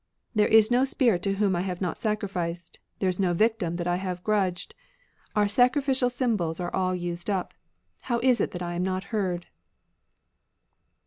There is no spirit to whom I have not sacrificed ; There is no victim that I have grudged ; Our sacrificial symbols are all used up ;— How is it that I am not heard